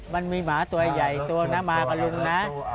มันมีหมาตัวใหญ่ตัวนะมากับลุงนะ